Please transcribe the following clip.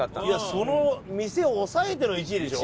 その店を抑えての１位でしょ？